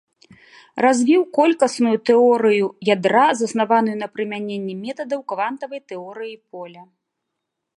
Развіў колькасную тэорыю ядра, заснаваную на прымяненні метадаў квантавай тэорыі поля.